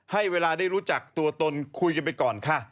ให้เวลาได้รู้จักตัวตนคุยกันไปก่อนค่ะ